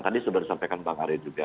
tadi sudah disampaikan bang arya juga